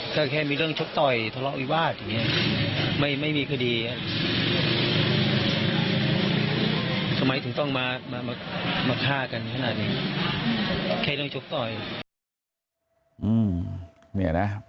ก็แค่มีเรื่องชกต่อยทะเลาวิวาทไม่มีคดีสมัยถึงต้องมาฆ่ากันขนาดนี้แค่เรื่องชกต่อย